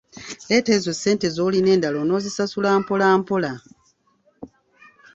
Leeta ezo ssente zolina, endala on'ozisasula mpolampola.